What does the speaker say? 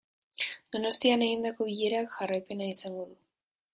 Donostian egindako bilerak jarraipena izango du.